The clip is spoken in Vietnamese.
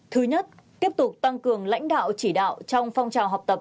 thứ nhất tiếp tục tăng cường lãnh đạo chỉ đạo trong phong trào học tập